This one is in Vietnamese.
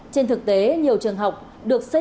trên thực tế nhiều trường mầm non đã bị cháy